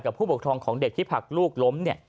ผู้ปกครองของเด็กที่ผลักลูกล้ม